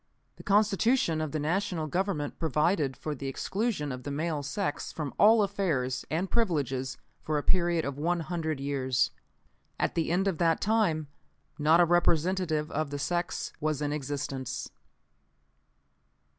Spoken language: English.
The Constitution of the National Government provided for the exclusion of the male sex from all affairs and privileges for a period of one hundred years. "_At the end of that time not a representative of the sex was in existence.